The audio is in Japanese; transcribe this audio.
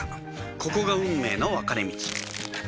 ここが運命の分かれ道